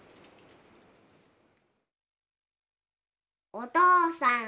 「お父さんへ。